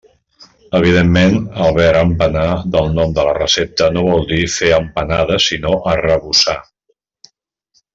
Evidentment, el verb empanar del nom de la recepta no vol dir fer empanades sinó arrebossar.